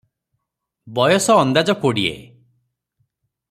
ବୟସ ଅନ୍ଦାଜ କୋଡ଼ିଏ ।